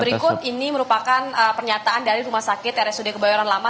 berikut ini merupakan pernyataan dari rumah sakit rsud kebayoran lama